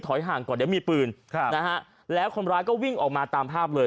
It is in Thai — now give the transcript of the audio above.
ห่างก่อนเดี๋ยวมีปืนแล้วคนร้ายก็วิ่งออกมาตามภาพเลย